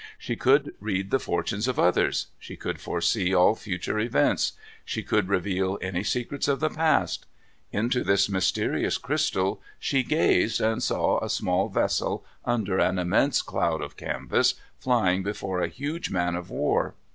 She could read the fortunes of others. She could foresee all future events. She could reveal any secrets of the past. Into this mysterious crystal she gazed, and saw a small vessel, under an immense cloud of canvas, flying before a huge man of war.